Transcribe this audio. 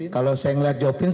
kalau saya ngelakuin joffin